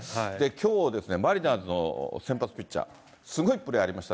きょう、マリナーズの先発ピッチャー、すごいプレーありました。